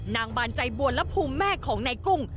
นางบานใจบวนและภูมิแม่ของนายกุ้ง